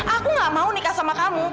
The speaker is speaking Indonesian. aku gak mau nikah sama kamu